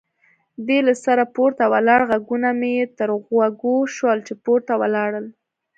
دی له سره پورته ولاړ، غږونه مې یې تر غوږو شول چې پورته ولاړل.